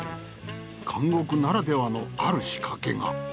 監獄ならではのある仕掛けが。